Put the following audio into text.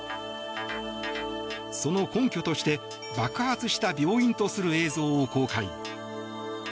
その根拠として爆発した病院とする映像を公開。